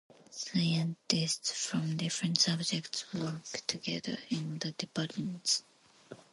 Scientists from different subjects work together in the departments.